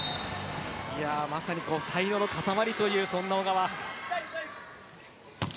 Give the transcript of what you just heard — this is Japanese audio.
まさに才能の塊、そんな小川。